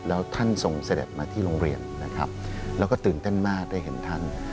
แล้วท่านทรงเสด็จมาที่โรงเรียนนะครับแล้วก็ตื่นเต้นมากได้เห็นท่าน